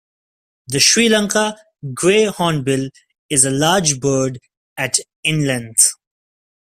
The Sri Lanka grey hornbill is a large bird at in length.